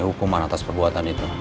hukuman atas perbuatan itu